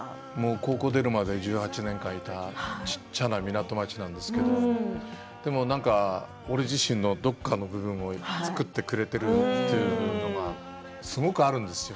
高校を出るまで１８年いた小さな港町ですけれども俺自身のどこかの部分を作ってくれているというのがすごくあるんですよ。